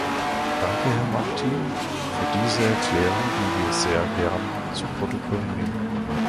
Danke, Herr Martin, für diese Erklärung, die wir sehr gern zu Protokoll nehmen.